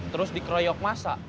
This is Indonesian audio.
terus dikroyok masa